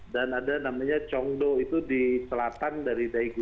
dan ada namanya congdo itu di selatan dari daegu